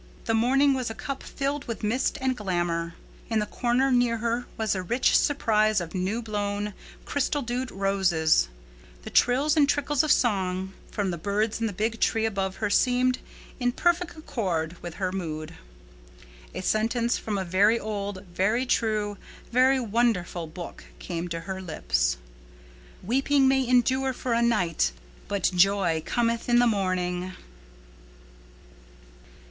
The morning was a cup filled with mist and glamor. In the corner near her was a rich surprise of new blown, crystal dewed roses. The trills and trickles of song from the birds in the big tree above her seemed in perfect accord with her mood. A sentence from a very old, very true, very wonderful Book came to her lips, "Weeping may endure for a night but joy cometh in the morning."